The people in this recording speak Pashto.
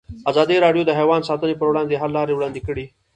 ازادي راډیو د حیوان ساتنه پر وړاندې د حل لارې وړاندې کړي.